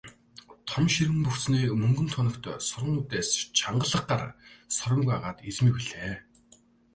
Том ширэн богцны мөнгөн тоногтой суран үдээс чангалах гар сурмаг агаад эрмэг билээ.